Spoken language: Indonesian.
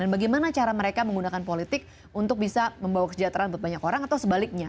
dan bagaimana cara mereka menggunakan politik untuk bisa membawa kesejahteraan untuk banyak orang atau sebaliknya